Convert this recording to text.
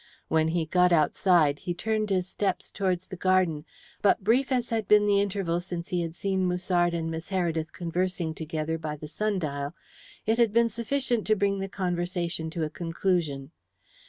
When he got outside, he turned his steps towards the garden; but brief as had been the interval since he had seen Musard and Miss Heredith conversing together by the sundial, it had been sufficient to bring the conversation to a conclusion.